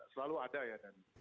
selalu ada ya